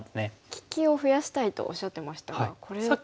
利きを増やしたいとおっしゃってましたがこれだったら。